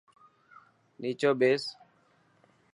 نيچو ٻيس.